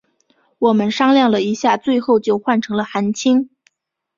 我们商量了一下最后就换成了韩青。